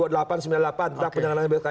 tentang penyelenggaraan negara kkn